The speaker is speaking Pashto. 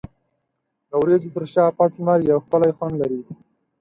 د وریځو تر شا پټ لمر یو ښکلی خوند لري.